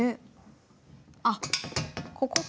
あっここか。